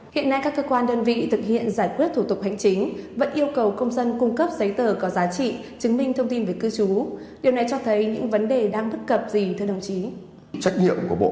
hiện nay các cơ quan đơn vị thực hiện giải quyết thủ tục hành chính vẫn yêu cầu công dân cung cấp giấy tờ có giá trị chứng minh thông tin về cư trú